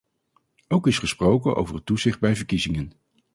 Ook is gesproken over het toezicht bij verkiezingen.